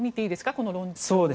この論調は。